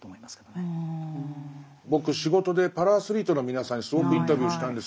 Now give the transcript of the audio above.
僕仕事でパラアスリートの皆さんにすごくインタビューしたんですね。